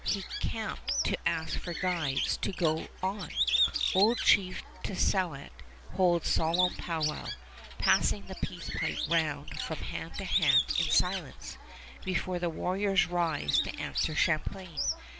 He camped to ask for guides to go on. Old Chief Tessouat holds solemn powwow, passing the peace pipe round from hand to hand in silence, before the warriors rise to answer Champlain.